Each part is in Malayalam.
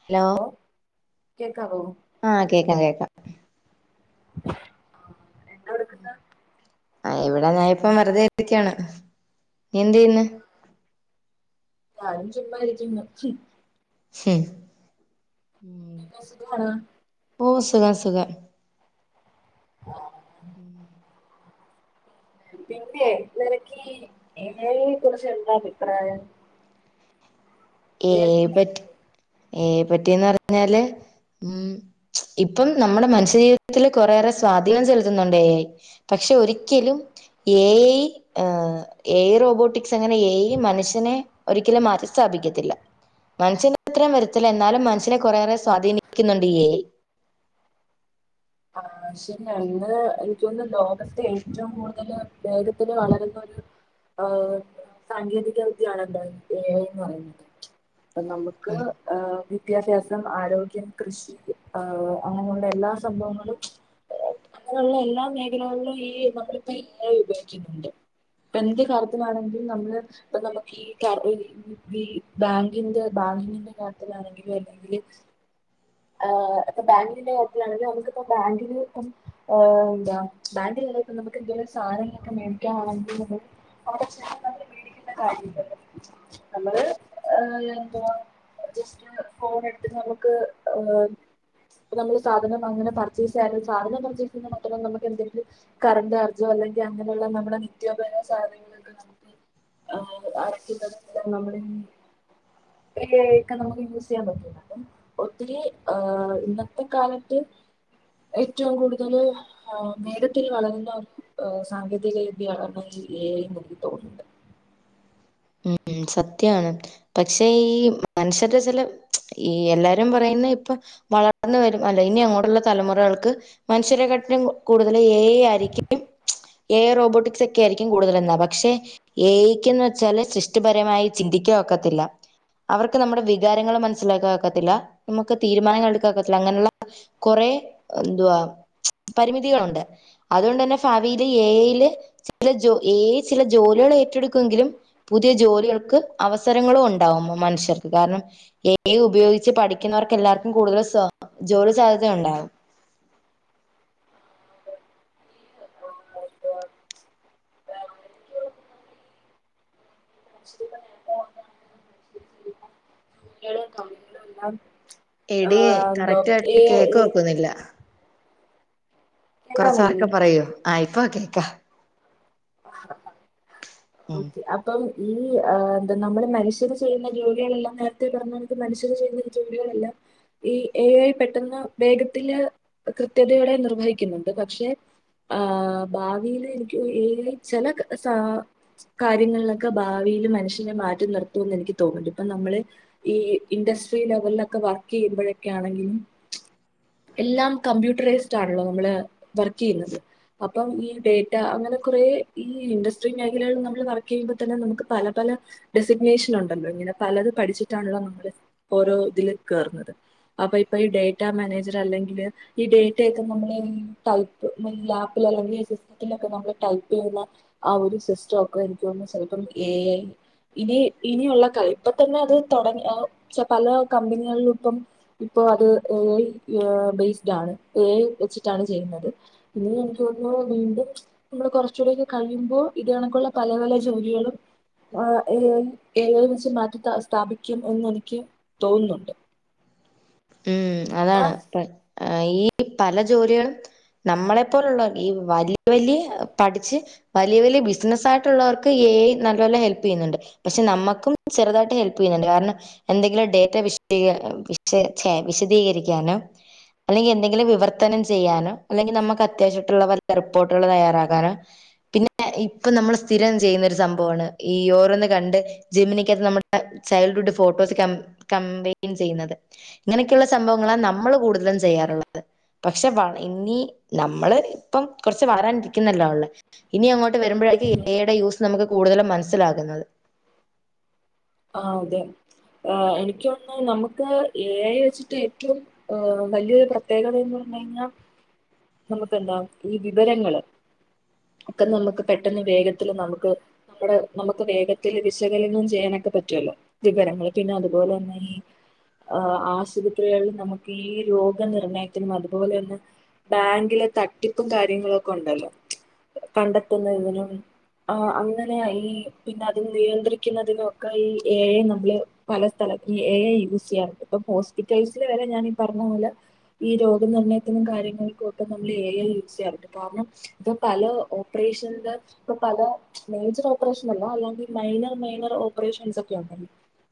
ഹലോ കേൾക്കാവോ ആഹ് കേക്കാം കേക്കാം എന്താടുക്കുന്ന് ആഹ് ഇവിടെ ഞാന് ഇപ്പോ വെറുതെ ഇരിക്കാണ് നീ എന്ത് ചെയ്യ്ന്ന് ഞാനും ചുമ്മാ ഇരിക്കുന്നു ഉം പിന്നെ സുഖാണോ ഓ സുഖാ സുഖാ ആ ഉം പിന്നേ നിനക്ക് ഈ എ ഐ നെ കുറിച്ച് എന്താ അഭിപ്രായം ഏ എ ഐ ഇല്ലേ പറ്റി ഏ ഐ പറ്റിയെന്ന് പറഞ്ഞാല് ഉം ഇപ്പം നമ്മുടെ മനുഷ്യജീവിതത്തിൽ കുറെയേറെ സ്വാധീനം ചെലുത്തുന്നുണ്ട് എ ഐ പക്ഷെ ഒരിക്കലും ഏ ഐ ഏഹ് ഏ ഐ റോബോട്ടിക്സ് അങ്ങനെ ഏ ഐ മനുഷ്യനെ ഒരിക്കലും മാറ്റി സ്ഥാപിക്ക ത്തില്ല മനുഷ്യന്റെ അത്രേം വരുത്തില്ല എന്നാലും മനസ്സിനെ കുറെയേറെ സ്വാധീനിക്കുന്നുണ്ട് ഈ എ ഐ ആഹ് [unintelligible] എനിക്ക് തോന്ന് ലോകത്തെ ഏറ്റവും കൂടുതല് വേഗത്തില് വളരുന്നൊരു ഏഹ് സാങ്കേതികവിദ്യയാണ് എന്ത് ഏ ഐ എന്ന് പറയുന്നത് അപ്പൊ നമ്മുക്ക് ഐ ഉം ഏഹ് വിദ്യാഭ്യാസം ആരോഗ്യം കൃഷി ഏഹ് അങ്ങനെയുള്ള എല്ലാ സംഭവങ്ങളും അങ്ങനെയുള്ള എല്ലാ മേഖലകളിലും ഈ നമ്മളിപ്പോ എ ഐ ഉപയോഗിക്കുന്നുണ്ട് ഇപ്പ എന്ത് കാര്യത്തിനാണെങ്കിലും നമ്മള് ഇപ്പ നമ്മുക്ക് ഈ ക [unintelligible] ബാങ്കിന്റെ ബാങ്കിങ്ങിന്റെ കാര്യത്തിലാണെങ്കിലും അല്ലെങ്കില് ആഹ് ഇപ്പൊ ബാങ്കിന്റെ കാര്യത്തിലാണെങ്കിൽ നമ്മുക്കിപ്പോ ബാങ്കില് ആഹ് എന്താ ബാങ്കിൽ നിന്ന് ഇപ്പ നമ്മുക്ക് എന്തെങ്കിലും സാധനങ്ങളൊക്കെ മേടിക്കാനാണെങ്കിൽ അവിടെ ചെന്നിട്ട് മേടിക്കേണ്ട കാര്യം ഇല്ലല്ലോ നമ്മള് ഏഹ് എന്തുവാ ജസ്റ്റ് ഫോൺ എടുത്ത് നമ്മുക്ക് ഏഹ് ഇപ്പൊ നമ്മള് സാധനം വാങ്ങുന്ന പർച്ചേസ് ആയാലും സാധനം പർച്ചേസ് ചെയ്യുന്നത് മാത്രം നമ്മുക്ക് എന്തെങ്കിലും കറന്റ് ചാർജോ അല്ലെങ്കിൽ അങ്ങനെയുള്ള നമ്മുടെ നിത്യോപയോഗ സാധനങ്ങളൊക്കെ നമ്മു ആഹ് അടക്കുന്നത് നമ്മളീ [unintelligible] നമ്മുക്ക് യൂസ് ചെയ്യാൻ പറ്റുന്നെ അപ്പം ഈ ആഹ് ഇന്നത്തെ കാലത്ത് ഏറ്റവും കൂടുതല് വേഗത്തിൽ വളരുന്ന ഏഹ് സാങ്കേതിക വിദ്യ എ ഐ എന്ന് എനിക്ക് തോന്നുന്നുണ്ട് ഉം ഉം സത്യാണ് പക്ഷേ ഈ മനുഷ്യരുടെ ചില ഈ എല്ലാരും പറയുന്ന ഇപ്പൊ വളർന്നു വരും അല്ല ഇനി അങ്ങോട്ടുള്ള തലമുറകൾക്ക് മനുഷ്യരെകാട്ടിലും കൂടുതൽ എ ഐ ആയിരിക്കും എ ഐ റോബോട്ടിക്സ് ഒക്കെ ആയിരിക്കും കൂടുതലെന്നാ പക്ഷെ എ ഐക്ക് എന്ന് വെച്ചാല് സൃഷ്ടിപരമായി ചിന്തിക്കാൻ ഒക്കത്തില്ല അവർക്ക് നമ്മുടെ വികാരങ്ങൾ മനസ്സിലാക്കാൻ ഒക്കത്തില്ല നമ്മുക്ക് തീരുമാനങ്ങൾ എടുക്കാൻ ഒക്കത്തില്ല അങ്ങനെയുള്ള കുറെ എന്തുവാ പരിമിതികളുണ്ട് അതുകൊണ്ട് തന്നെ ഫാവി എ ഐ യിൽ ചില ജോലികൾഎ ഐ ജോലി ഏറ്റെടുക്കുമെങ്കിലും പുതിയ ജോലികൾക്ക് അവസരങ്ങളും ഉണ്ടാവും മനുഷ്യർക്ക് കാരണം ഏഐ ഉപയോഗിച്ച് പഠിക്കുന്നവർക്ക് എല്ലാവർക്കും കൂടുതൽ ജോലി സാധ്യത ഉണ്ടാവും. [inaudible] എടീ എന്തോ കറക്റ്റ് ഏ ആയിട്ട് കേക്കാൻ ഒക്കുന്നില്ല. കേൾക്കാൻ വയ്യേ കൊറച്ചാറൊക്കെ പറയൂ ആ ഇപ്പ കേക്കാ. ഉം ഓക്കെ അ. ഇപ്പം ഈ എന്താ നമ്മള് മനുഷ്യര് ചെയ്യുന്ന ജോലികളെല്ലാം നേരത്തെ പറക്ക് മനുഷ്യര് ചെയ്യുന്ന. ജോലികളല്ല. ഈ ഏ ഐ പെട്ടെന്ന് വേഗത്തിലെ കൃത്യതകളെ നിർവഹിക്കുന്നുണ്ട് പക്ഷെ. ആഹ് ഭാവില് എനിക്ക് ഏ ചില സാ കാര്യങ്ങളിലൊക്കെ ഭാവിയില് മനുഷ്യനെ മാറ്റി നിർത്തുന്ന് എനിക്ക് തോന്നുന്നുണ്ട് ഇപ്പൊ നമ്മള്. ഈ ഇൻഡസ്ട്രി ലെവലിലൊക്കെ വർക്ക് ചെയ്യുമ്പോഴൊക്കെ ആണെങ്കിലും. എല്ലാം കമ്പ്യൂട്ടറൈസ്ഡ ആണല്ലോ നമ്മള്. വർക്ക് ചെയ്യുന്നത് അപ്പം ഈ ഡേറ്റ അങ്ങനെ കുറേ ഈ ഇൻഡസ്ട്രി ങ്ങ് ആയി നമ്മൾ വർക്ക് ചെയ്യുമ്പോ തന്നെ നമുക്ക് പല പല. ഡെസിഗ്നേഷൻ ഉണ്ടല്ലോ ഇങ്ങനെ പലത് പഠിച്ചിട്ടാണല്ലോ നമ്മള് ഓരോ ഇതില് കേറുന്നത്. അപ്പൊ ഇപ്പൊ ഈ ഡേറ്റാ മാനേജർ അല്ലെങ്കില്. ഈ ഡേറ്റയൊക്കെ നമ്മള് ടൈപ്പ് ലാപ്പിൽ അല്ലെങ്കി. ലോക്കെ നമ്മൾ ടൈപ്പ് ചെയ്യുന്ന ആ ഒരു സിസ്റ്റം ഒക്കെ എനിക്ക് തന്നു ചിലപ്പോം എ ഐ. ഇനി ഇനിയുള്ള കാര് ഇപ്പൊ തന്നെ അത് തുടങ്ങി പല കമ്പനികളിലും ഇപ്പം. ഇപ്പോ അത് എ ഐ ബേസ്ഡ് ആണ് എ ഐ വെച്ചിട്ടാണ് ചെയ്യുന്നത്. പിന്നെ എനിക്ക് തോന്നുന്നു വീണ്ടും നമ്മള് കുറച്ചു കൂടെക്കെ കഴിയുമ്പോ ഇതണ പള്ള പല പല ജോലികളും. ആ ഏ ഐ വച്ച് മാറ്റി സ്ഥാപിക്കും എന്ന എനിക്ക്. തോന്നുന്നുണ്ട്. ഉം പിന്നെ അതാണ് ഈ പല ജോലികളും. നമ്മളെപ്പോലുള്ള ഈ വലിയ വല്യ പഠിച്ച്. വലിയ വലിയ ബിസിനസ്സ ആയിട്ടുള്ളവർക്ക് നല്ലോ ലെ ഹെൽപ് ചെയ്യുന്നുണ്ട്. പക്ഷെ നമ്മക്കും ചെറുതായിട്ട് ഹെൽപ് ചെയ്യുന്നുണ്ട് കാരണം എന്തെങ്കിലും ഡേറ്റ വിഷ് വിഷ്. ച്ചേ വിശദീകരിക്കാനോ. അല്ലെങ്കിൽ എന്തെങ്കിലും വിവർത്തനം ചെയ്യാനോ അല്ലെങ്കിൽ നമുക്ക് അത്യാവശ്യട്ടുള്ള റിപ്പോർട്ടുകൾ തയ്യാറാക്കാനോ. പിന്നെ ഇപ്പൊ നമ്മൾ സ്ഥിരം ചെയ്യുന്നൊ രു സംഭവമാണ് ഈ ഓരോന്ന് കണ്ട്. ജിമ്മിനിക്കകത്ത് നമ്മുടെ ചൈൽഡ് ഹുഡ് ഫോട്ടോസ് കം കമ്പൈയിൻ ചെയ്യുന്നത്. ഇങ്ങനെയൊക്കെയുള്ള സംഭവങ്ങളാ നമ്മള് കൂടുതലും ചെയ്യാറുള്ളത്. പക്ഷെ ഇനി നമ്മള് ഇപ്പം കുറച്ച് വരാനിരിക്കുന്നല്ല ഉള്ള ഇനി അങ്ങോ ട്ട് വരുമ്പോഴേക്കും എഐ യുടെ യൂസ് നമുക്ക് കൂടുതും മനസ്സിലാകുന്നത്. ആ അതെ എനിക്ക് തോനുന്നു നമുക്ക് ഏ ഐ വെച്ചിട്ട് ഏറ്റവും. ഏഹ് വലിയൊരു പ്രത്യേകതയന്ന് പറഞ്ഞു കഴിഞ്ഞാൽ. നമുക്കന്താ ഈ വിവരങ്ങള് ഒക്കെ നമുക്ക് പെട്ടെന്ന് വേഗത്തില് നമുക്ക്. അവിടെ നമുക്ക് വേഗത്തില് വിശകലനം ചെയ്യാനൊക്കെ പറ്റുവല്ലോ. വിവരങ്ങള് പിന്നെ അതുപോലെ തന്ന. ആ ആശുപത്രികളിൽ നമുക്ക് ഈ രോഗനിർണയത്തിനും അതുപോലെ തന്നെ. ബാങ്കിലെ തട്ടിപ്പും കാര്യങ്ങളുവൊക്കെ ഒണ്ടല്ലൊ കണ്ടെത്തുന്നതിനും ആ അങ്ങനെ ഈ പിന്നെ അത് നിയന്ത്രിക്കുന്നതിനുവൊക്കെ ഈ എ ഐ നമ്മളെ പല സ്ഥലത്ത് ഈ എ ഐ യൂസ് ചെയ്യാറുണ്ട് ഇപ്പ ഹോസ്പിറ്റലൈസില് വരെ ഞാനീ പറഞ്ഞ പോലെ ഈ രോഗനിർണ്ണയത്തിനും കാര്യങ്ങൾ [inaudible] നമ്മളീ എ ഐ യൂസ് ചെയ്യാറുണ്ട് കാരണം ഇപ്പ പല ഓപ്പറേഷൻന്റ ഇപ്പൊ പല മേജർ ഓപ്പറേഷനല്ല അല്ലാണ്ടി മൈനർ മൈനർ ഓപ്പറേഷൻസൊക്കെ ഒണ്ടല്ലൊ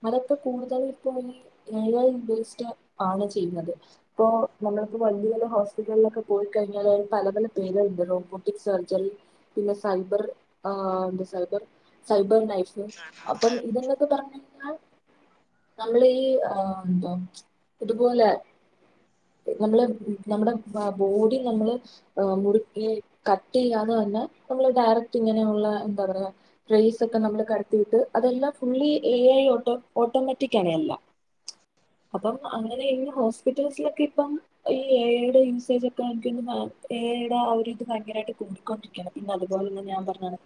അതൊക്കെ കൂടുതലും ഇപ്പൊ ഈ എ ഐ ഉപയോഗിച്ചിട്ട് ആണ് ചെയ്യുന്നത്. ഇപ്പോ നമ്മളിപ്പൊ വല്യ വല്യ ഹോസ്പിറ്റൽലൊക്കെ. പോയി കഴിഞ്ഞാല് [inaudible] പല പല പേരുകളിണ്ട് റോബോട്ടിക് സർജറി പിന്നെ സൈബർ ആഹ് എന്താ സൈബർ സൈബർ [unintelligible] അപ്പം ഇതന്നെ പറഞ്ഞ് കഴിഞ്ഞാൽ നമ്മൾ ഈ ആഹ് എന്താ ഇതുപോലെ നമ്മള് നമ്മടെ അഹ് ബോഡി നമ്മള് ഏഹ് മുറുക്കി കട്ട് ചെയ്യാതെ തന്നെ നമ്മള് ഡയറക്ട് ഇങ്ങനെയുള്ള എന്താ പറയാ റേസ് ഒക്കെ നമ്മള് കടത്തിയിട്ട് അതെല്ലാം ഫുള്ളി എ ഐ ഓട്ടോ ഓട്ടോമാറ്റിക്കാണ് എല്ലാം അപ്പം അങ്ങനെ ഈ ഹോസ്പിറ്റൽസിലൊക്കെ ഇപ്പം ഈ എ ഐ യുടെ യൂസേജ് [unintelligible] എ ഐ ടാ ആ ഒരു ഇത് ഭയങ്കരായിട്ട് കൂടിക്കൊണ്ടിരിക്കാണ് പിന്നെ അതുപോലെ തന്നെ ഞാൻ പറഞ്ഞാണ്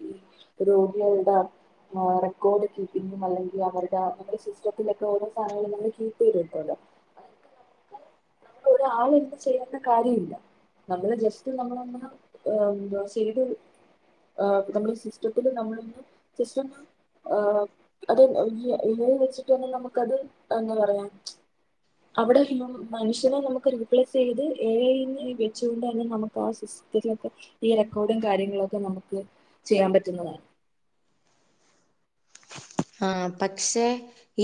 രോഗികൾട ആഹ് റെക്കോർഡ് കീപ്പിങ്ങും അല്ലെങ്കിൽ അവരുടെ ആഹ് നമ്മടെ സിസ്റ്റത്തിന്റെക്കെ ഓരോ സാധനങ്ങളും നമ്മള് കീപ്പ് ചെയ്തു വെക്കുവല്ലോ ഒരാളിരുന്ന് ചെയ്യണ്ട കാര്യവില്ല നമ്മള് ജസ്റ്റ് നമ്മളൊന്ന് അഹ് എന്തുവാ ശരിക്കൊരു ഏഹ് നമ്മള് സിസ്റ്റത്തില് നമ്മളൊന്ന് ജസ്റ്റൊന്ന് ആഹ് അത് [unintelligible] എ ഐ വെച്ചിട്ട് തന്നെ നമുക്കത് [unintelligible] പറയാ അവിടെ [unintelligible] മനുഷ്യനെ നമുക്ക് റീപ്ലേസ് ചെയ്ത് എ ഐ നെ വെച്ചോണ്ട് തന്നെ നമുക്ക് ആ സിസ്റ്റത്തിലൊക്കെ ഈ റെക്കോർഡും കാര്യങ്ങളൊക്കെ നമുക്ക് ചെയ്യാൻ പറ്റുന്നതാണ് ആഹ് പക്ഷെ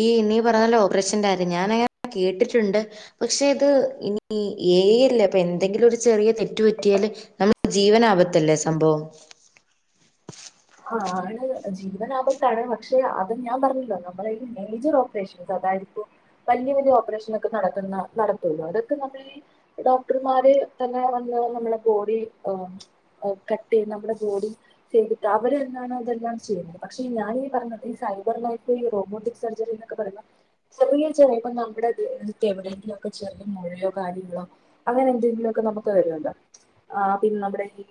ഈ നീ പറഞ്ഞല്ലോ ഓപ്പറേഷന്റെ കാര്യം ഞാനങ്ങനെ കേട്ടിട്ടൊണ്ട് പക്ഷേ ഇത് ഇനി എ ഐ അല്ലെ അപ്പൊ എന്തെങ്കിലും ഒരു ചെറിയ തെറ്റ് പറ്റിയാല് അത് ജീവനാപത്തല്ലെ സംഭവം ആഹ് ആണ് ജീവനാപത്താണ് പക്ഷെ അത് ഞാൻ പറഞ്ഞില്ലെ നമ്മളീ മേജർ ഓപ്പറേഷൻസ് അതായതിപ്പൊ വല്ല്യ വല്ല്യ ഓപ്പറേഷനൊക്കെ നടത്തുന്ന നടത്തൂലോ അതൊക്കെ നമ്മൾ ഈ ഡോക്ടർമാര് തന്നെ വന്ന് നമ്മളെ ബോഡി ആഹ് ഏഹ് കട്ട് ചെയ്യും നമ്മടെ ബോഡി ചെയ്ത ട്ട് അവര് തന്നാണ് ഇതെല്ലാം ചെയ്യുന്നത് പക്ഷെ ഞാൻ ഈ പറഞ്ഞത് ഈ സൈബർ ലൈഫ് ഈ റോബോട്ടിക് സർജറി എന്നൊക്കെ പറഞ്ഞ ചെറിയ ചെറിയ ഇപ്പൊ നമ്മടെ ദേഹത്ത് എവിടെയെങ്കിലും ഒക്കെ ചെറിയ മൊഴയോ കാര്യങ്ങളോ അങ്ങനെ എന്തെങ്കിലുവൊക്കെ നമുക്ക് വരുവല്ലോ ആഹ് പിന്നെ നമ്മടെ ഈ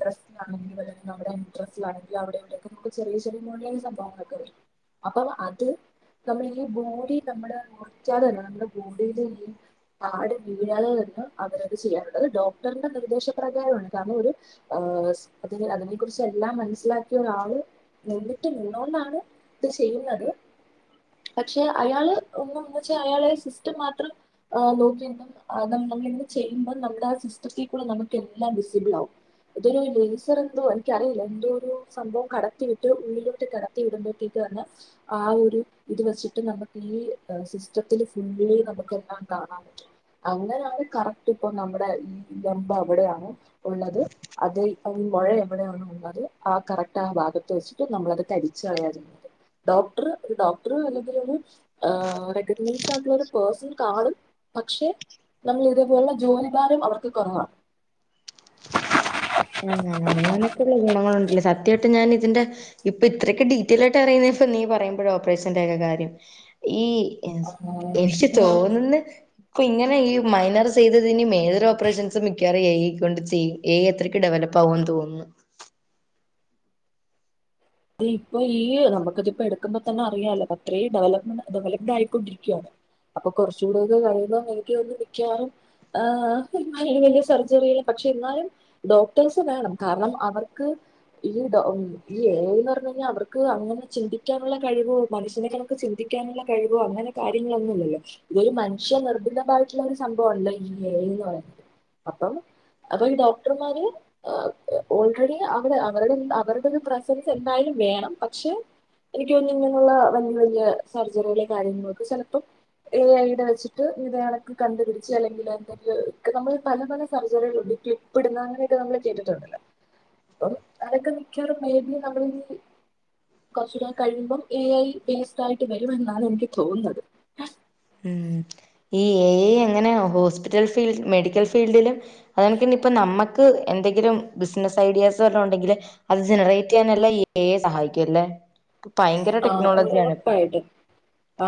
ബ്രസ്റ്റിലാണെങ്കില് നമ്മടെ ബ്രസ്റ്റിലാണെങ്കിൽ അവിടേം ഇവിടെയൊക്കെ നമുക്ക്‌ ചെറിയ ചെറിയ മൊഴേം സംഭവങ്ങളൊക്കെ വരും അപ്പം അത് നമ്മൾ ഈ ബോഡി നമ്മള് മാറ്റാതെ തന്നെ നമ്മുടെ ബോഡിയില് ഈ ആട് വീഴാതെ തന്നെ അവരത് ചെയ്യാറുണ്ട് അത് ഡോക്ടറിന്റെ നിർദ്ദേശപ്രകാരമാണ് കാരണം ഒര് ആഹ് അതിന് അതിനെ കുറിച്ച് എല്ലാം മനസ്സിലാക്കിയ ഒരാള് നിന്നിട്ട് നിന്നോണ്ടാണ് ഇത് ചെയ്യുന്നത്. പക്ഷെ അയാള് [unintelligible] അയാള് സിസ്റ്റം മാത്രം ഏഹ് നോക്കീണ്ട് ആഹ് നം നമ്മളിങ്ങനെ ചെയ്യുമ്പം നമ്മടെ ആ സിസ്റ്റത്തി കൂടെ നമുക്ക് എല്ലാം വിസിബിളാവും ഇതൊരു ലേസർ എന്തുവാ എനിക്കറിയില്ല എന്തോ ഒരു സംഭവം കടത്തി വിട്ട് ഉള്ളിലോട്ട് കടത്തി വിടുമ്പോത്തേക്ക് തന്നെ ആ ഒരു ഇത് വെച്ചിട്ട് നമുക്ക് ഈ സിസ്റ്റത്തില് ഫുള്ളി നമുക്കെല്ലാം കാണാൻ പറ്റും അങ്ങനെയാണ് കറക്ട് ഇപ്പൊ നമ്മുടെ ബമ്പ് അവിടെയാണ് ഉള്ളത് അത് മാരി മൊഴ അവിടെയാണുള്ളത് ആഹ കറക്റ്റ് ആഹ ഭാഗത്ത് വെച്ചിട്ട് നമ്മളത് കരിച്ചളയാ ചെയ്യുന്നത്. ഡോക്ടർ ഒരു ഡോക്ടർ അല്ലെങ്കിൽ ഒരു ഏഹ് റെക്കഗ്നൈസ്ഡ് ആയിട്ടുള്ള ഒരു പേഴ്സൺ കാണും പക്ഷെ നമ്മളെ ഇതേപോലുള്ള ജോലിഭാരം അവർക്ക് കുറവാ. ആഹ് അങ്ങനൊക്കെയുള്ള ഗുണങ്ങള് ഉണ്ടല്ലേ സത് ത്യായിട്ട് ഞാൻ ഇതിന്റെ ഇപ്പൊ ഇത്രയൊക്കെ ഡീറ്റിയൽ ആയിട്ട് അറിയുന്ന ഇഫ നീ പറയുമ്പഴ ഓപ്പറേഷന്റെറെഒക്കെ കാര്യം ഈ എനിക്ക് തോന്നന്ന് ഇപ്പൊ ഇങ്ങനെ ഈ മൈനർ ചെയ്തതിന് മേ ഏതൊരു ഓപ്പറേഷൻസും മിക്കവാറും എ ഐ എ കൊണ്ട് ചെയ്യും എ ഐ അത്രയ്ക്ക് ഡെവലപ്പ് ആകോന്ന് തോന്നുന്ന് അത് ഇപ്പൊ ഈ നമുക്കതിപ്പോ എടുക്കുമ്പോ തന്നെ അറിയാലോ അത്രേ ഡെവലപ്മെന്റ് ഡെവലപ്ഡ് ആയിക്കൊണ്ടിരിക്കുവാണ് അപ്പൊ കുറച്ച് കൂടെ ഒക്കെ കഴിയുമ്പോ എനക്ക് തോന്നുന്നു മിക്കവാറും ആഹ് വലിയ വലിയ സർജറില്ല പക്ഷെ എന്നാലും ഡോക്ടേഴ്സ് വേണം കാരണം അവർക്ക് ഈ ഡോ ഈ എ ഐ ന്ന് പറഞ്ഞ കഴിഞ്ഞാൽ അവർക്ക് അങ്ങനെ ചിന്തിക്കാനുള്ള കഴിവോ മനുഷ്യനെ കണക്ക് ചിന്തിക്കാനുള്ള കഴിവോ അങ്ങനെ കാര്യങ്ങളൊന്നുമില്ലല്ലോ ഇതൊരു മനുഷ്യ നിർമിതമായിട്ടുള്ള ഒരു സംഭവല്ലോ ഈ എ ഐന്ന് പറയുന്നത് അപ്പം അപ്പൊ ഈ ഡോക്ടർമാര് ഓൾറെഡി അവരുടെ അവരുടെ പ്രസ- സ് എന്തായാലും വേണം പക്ഷെ എനിക്ക് തോന്നുന്നു ഇങ്ങനുള്ള വലിയ വലിയ സർജറികളും കാര്യങ്ങളൊക്കെ ചെലപ്പോ എ ഐ ടെ വെച്ചിട്ട് ഇതെ കണക്ക് കണ്ട് പിടിച്ച് അല്ലെങ്കിൽ നമ്മള് പല പല സർജറികളുണ്ട് ക്ലിപ്പുടുന്ന അങ്ങനെയൊക്കെ നമ്മള് കേട്ടിട്ടുണ്ടല്ലോ അപ്പം അതൊക്കെ മിക്കവാറും മേബി നമ്മൾ കുറചൂടെ കഴിയുമ്പം എ ഐ ബേസിടായിട്ട് വരുമെന്നാണ് എനിക്ക് തോന്നുന്നത് ഉം ഈ എ ഐ എങ്ങനെ ഹോസ്പിറ്റൽ ഫീൽഡ് മെഡിക്കൽ ഫീൽഡില് അതെകണക്കിന് ഇപ്പോ നമുക്ക് എന്തെങ്കിലും ബിസിനസ് ഐഡിയാസ് വല്ലോം ഉണ്ടെങ്കിൽ അത് ജനറേറ്റ് ചെയ്യാനെല്ലാം ഐ സഹായിക്കുല്ലേ ഭയങ്കര ആ ടെക്നോളജിയാണിപ്പൊ ഉറപ്പായിട്ടും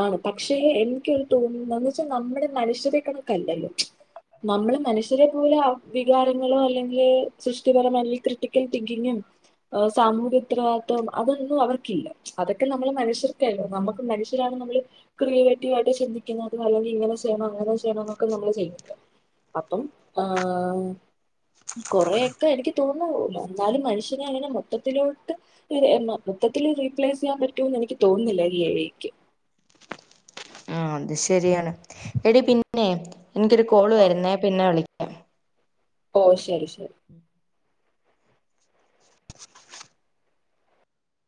ആണ് പക്ഷേ എനിക്കൊരു തോന്നുന്നത് വെച്ചാ നമ്മുടെ മനുഷ്യരെ കണക്കല്ലല്ലോ നമ്മള് മനുഷ്യരെ പോലെ വികാരങ്ങളോ അല്ലെങ്കിൽ സൃഷ്ടിപരം അല്ലെങ്കി ക്രിട്ടിക്കൽ തിങ്കിങ്ങും സാമൂഹികത്തരവാതിത്വം അതൊന്നും അവർക്കില്ല അതൊക്കെ നമ്മള മനുഷ്യർക്കല്ല നമ്മുക്ക് മനുഷ്യരാണ് നമ്മള് ക്രിയേറ്റീവ് ആയി ചന്തിക്കുന്നുന്നതും അല്ലെങ്കി ഇങ്ങനെ ചെയ്യണം അങ്ങനെ ചെയ്യണം എന്നൊക്കെ നമ്മള് ചെയ്യുന്നത് അപ്പം ഏഹ് കൊറെേയൊക്കെ എനിക്ക് തോന്നു എന്നാലും മനുഷ്യനെ അങ്ങനെ മൊത്തത്തിലോട്ട് മൊത്തത്തിത്തില് റീപ്ലേസ് ചെയ്യാൻ പറ്റുമന്ന് എനിക്ക് തോന്നുന്നില്ല ഈ എ ഐക്ക് ആഹ് അത് ശരിയാണ് എടി പിന്നെ എനിക്കൊരു കോള് വരുന്നേ പിന്നെ വിളിക്- ഓഹ് ശരി ശരി ! ! !! ! !